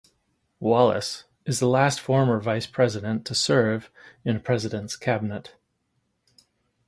Wallace is the last former vice president to serve in a president's cabinet.